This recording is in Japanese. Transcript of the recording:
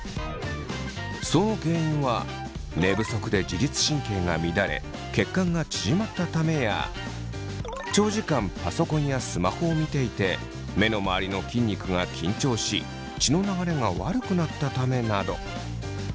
その原因は「寝不足で自律神経が乱れ血管が縮まったため」や「長時間パソコンやスマホを見ていて目の周りの筋肉が緊張し血の流れが悪くなったため」など。